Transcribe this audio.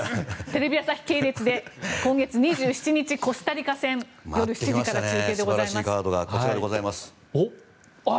テレビ朝日系列で今月２７日、コスタリカ戦夜７時から中継でございます。